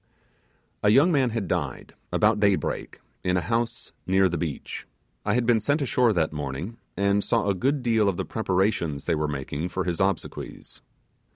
A young man had died, about daybreak, in a house near the beach. I had been sent ashore that morning, and saw a good deal of the preparations they were making for his obsequies.